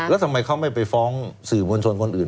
แล้วทำไมเขาไม่ไปฟ้องสื่อมวลชนคนอื่น